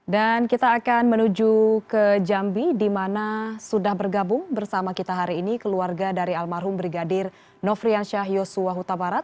dan kita akan menuju ke jambi dimana sudah bergabung bersama kita hari ini keluarga dari almarhum brigadir novriansyah yosua hutabarat